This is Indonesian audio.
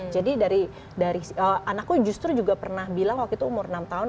jadi dari anakku justru juga pernah bilang waktu itu umur enam tahun